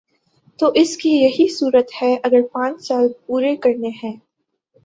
تو اس کی یہی صورت ہے اگر پانچ سال پورے کرنے ہیں۔